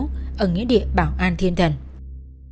sau khi ba tổ gián điệp từ đảo ngũ am trở về hải phòng